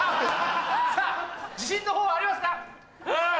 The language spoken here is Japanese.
さぁ自信のほうはありますか？